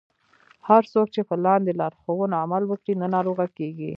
هر څوک چې په لاندې لارښوونو عمل وکړي نه ناروغه کیږي.